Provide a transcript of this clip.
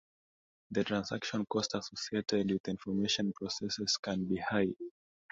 The transaction cost associated with information processes can be high.